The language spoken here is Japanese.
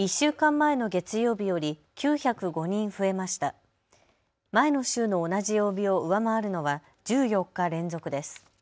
前の週の同じ曜日を上回るのは１４日連続です。